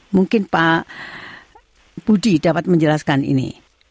mungkin pak budi dapat menjelaskan ini